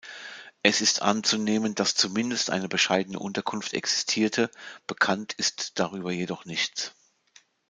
Es ist anzunehmen, dass zumindest eine bescheidene Unterkunft existierte; bekannt ist darüber jedoch nichts.